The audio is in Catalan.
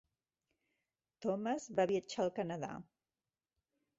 Thomas va viatjar al Canadà.